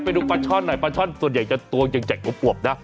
ไปดูปลาช่อนหน่อยปลาช่อนส่วนใหญ่จะตัวใหญ่อวบนะ